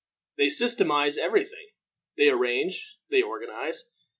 They systematize every thing. They arrange they organize.